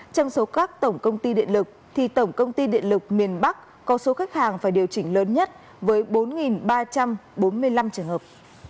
trong số các tổng công ty điện lực thì tổng công ty điện lực miền bắc có số khách hàng phải điều chỉnh lớn nhất với bốn ba trăm bốn mươi năm trường hợp